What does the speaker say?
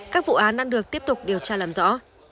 các vụ án đang được tiếp tục điều tra làm rõ